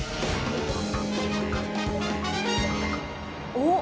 おっ！